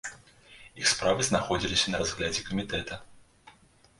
Іх справы знаходзіліся на разглядзе камітэта.